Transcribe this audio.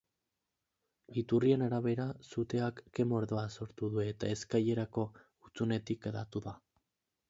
Iturrien arabera, suteak ke-mordoa sortu du eta eskailerako hutsunetik hedatu da.